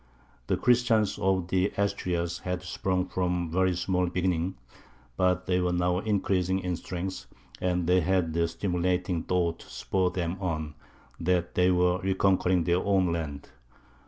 The Christians of the Asturias had sprung from very small beginnings, but they were now increasing in strength, and they had the stimulating thought to spur them on, that they were reconquering their own land.